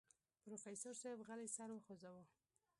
پروفيسر صيب غلی سر وخوځوه.